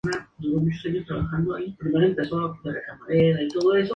Esta facción luchó fuertemente a favor de dar otros usos a la propiedad.